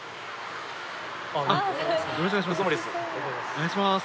お願いします。